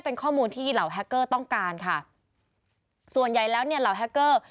เป็นข้อมูลที่เหล่าแฮคเกอร์ต้องการค่ะส่วนใหญ่แล้วเนี่ยเหล่าแฮคเกอร์